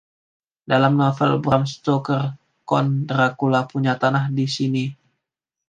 Dalam novel Bram Stoker, Count Dracula punya tanah di sini.